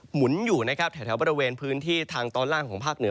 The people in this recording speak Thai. หนุนอยู่นะครับแถวบริเวณพื้นที่ทางตอนล่างของภาคเหนือ